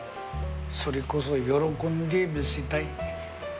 それこそ喜んで見せたい。